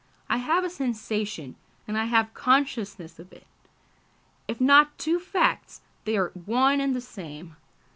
I have a sensation, and I have consciousness of it. If not two facts, they are one and the same.